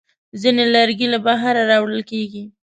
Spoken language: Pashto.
ځینې لرګي له بهره راوړل کېږي.